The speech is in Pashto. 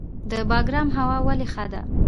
د بګرام هوا ولې ښه ده؟